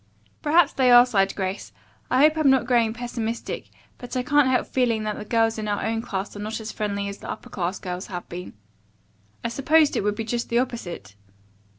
"Perhaps they are," sighed Grace. "I hope I'm not growing pessimistic, but I can't help feeling that the girls in our own class are not as friendly as the upper class girls have been. I supposed it would be just the opposite."